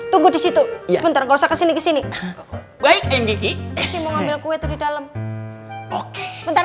tunggu disitu sebentar kau kesini kesini baik yang di sini mau ngambil kue di dalam oke bentar